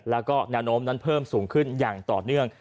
แล้วก็แนวโน้มนั้นเพิ่มสูงขึ้นอย่างต่อเนื่อง